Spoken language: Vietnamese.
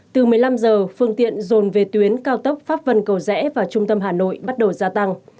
từ một mươi năm giờ phương tiện dồn về tuyến cao tốc pháp vân cầu rẽ và trung tâm hà nội bắt đầu gia tăng